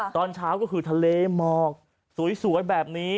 ตอนเช้าก็คือทะเลหมอกสวยแบบนี้